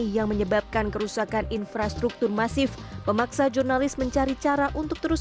yang menyebabkan kerusakan infrastruktur masif memaksa jurnalis mencari cara untuk terus